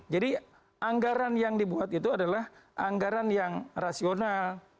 jadi anggaran yang dibuat itu adalah anggaran yang rasional